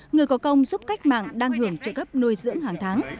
người có công giúp cách mạng đang hưởng trợ cấp nuôi dưỡng hàng tháng